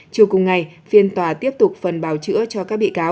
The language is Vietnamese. chiều cùng ngày phiên tòa tiếp tục phần bào chữa cho các bị cáo